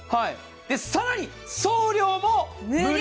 更に、送料も無料。